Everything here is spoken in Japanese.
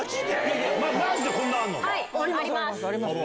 マジでこんなあんのか？